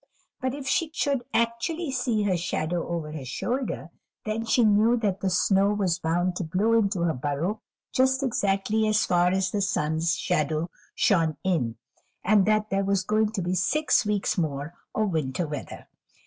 But if she should actually see her shadow over her shoulder, then she knew that the snow was bound to blow into her burrow just exactly as far as the sun's shadow shone in, and that there was going to be six weeks more of winter weather.